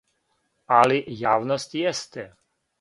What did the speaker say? Али, јавност јесте.